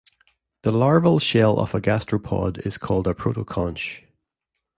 The larval shell of a gastropod is called a protoconch.